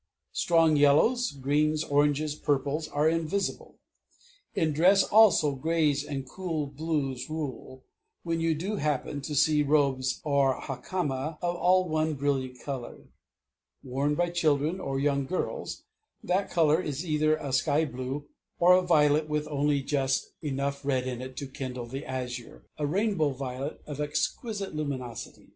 Strong yellows, greens, oranges, purples are invisible. In dress also greys and cool blues rule: when you do happen to see robes or hakama all of one brilliant color, worn by children or young girls, that color is either a sky blue, or a violet with only just enough red in it to kindle the azure, a rainbow violet of exquisite luminosity.